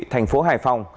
thành phố hải phòng